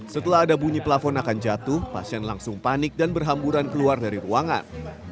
setelah ada bunyi pelafon akan jatuh pasien langsung panik dan berhamburan keluar dari ruangan